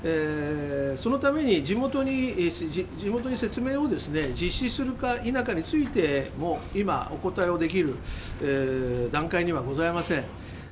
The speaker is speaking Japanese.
そのために、地元に説明を実施するか否かについても、今、お答えをできる段階にはございません。